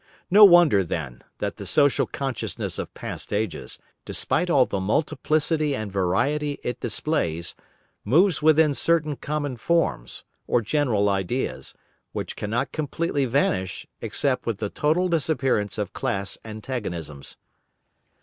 No wonder, then, that the social consciousness of past ages, despite all the multiplicity and variety it displays, moves within certain common forms, or general ideas, which cannot completely vanish except with the total disappearance of class antagonisms.